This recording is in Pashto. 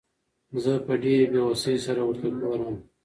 زه په ډېرې بېوسۍ سره ورته ګورم.